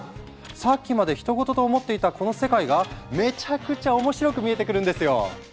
さっきまでひと事と思っていたこの世界がめちゃくちゃ面白く見えてくるんですよ！